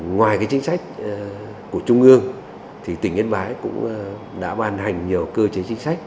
ngoài chính sách của trung ương thì tỉnh yên bái cũng đã ban hành nhiều cơ chế chính sách